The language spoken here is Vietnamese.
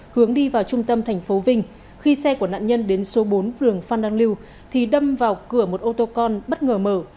hướng đi vào trung tâm thành phố vinh khi xe của nạn nhân đến số bốn vườn phan đăng lưu thì đâm vào cửa một ô tô con bất ngờ mở